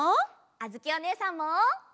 あづきおねえさんも！